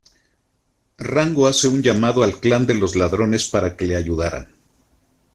Rango hace un llamado al clan de los ladrones para que le ayudaran.